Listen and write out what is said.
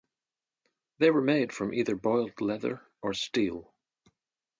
They were made from either boiled leather or steel.